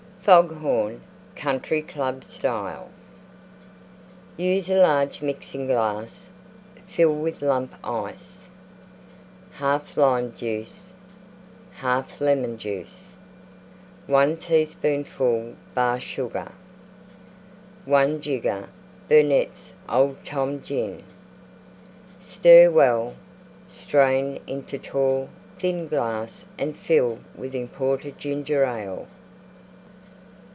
FOG HORN Country Club Style Use a large Mixing glass; fill with Lump Ice. 1/2 Lime Juice. 1/2 Lemon Juice. 1 teaspoonful Bar Sugar. 1 jigger Burnette's Old Tom Gin. Stir well; strain into tall, thin glass and fill with imported Ginger Ale.